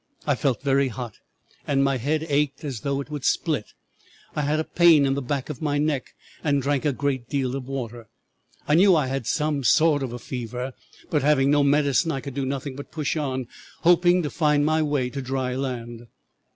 I felt very hot, and my head ached as though it would split. I had a pain in the back of my neck and drank a great deal of water. I knew I had some sort of a fever, but having no medicine I could do nothing but push on, hoping to find my way to dry land.